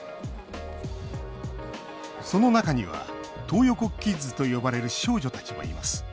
その中には、トー横キッズと呼ばれる少女たちもいます。